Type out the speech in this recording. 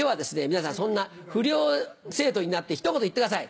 皆さんそんな不良生徒になってひと言言ってください。